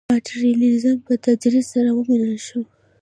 ماټریالیزم په تدریج سره ومنل شو.